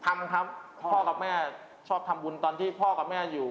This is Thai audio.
ทำครับพ่อกับแม่ชอบทำบุญตอนที่พ่อกับแม่อยู่